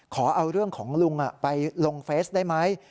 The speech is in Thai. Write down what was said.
ขอเอาเรื่องของลุงไปลงเฟซได้ไหม